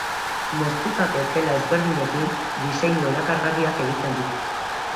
Moztutako tela ezberdinekin diseinu erakargarriak egiten ditu.